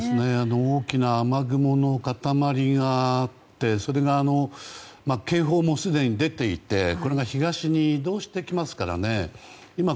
大きな雨雲の塊があってそれが警報もすでに出ていてこれが東に移動してきますからね。